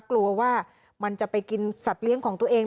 กลัวว่ามันจะไปกินสัตว์เลี้ยงของตัวเอง